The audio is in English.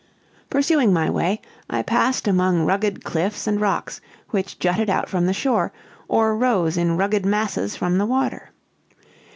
"Pursuing my way, I passed among rugged cliffs and rocks which jutted out from the shore, or rose in rugged masses from the water.